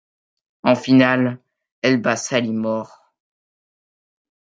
En finale, elle bat Sally Moore.